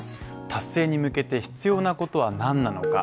達成に向けて必要なことはなんなのか。